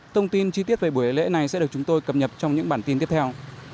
thông tin chi tiết về buổi lễ này sẽ được chúng tôi cập nhập trong những bản tin tiếp theo